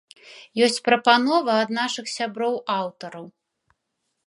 Ёсць прапановы ад нашых сяброў-аўтараў.